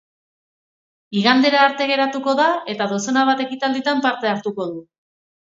Igandera arte geratuko da, eta dozena bat ekitalditan parte hartuko du.